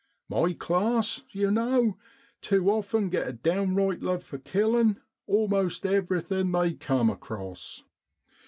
My class, yow know, tu, often get a downright love for killin' almost everything they come across.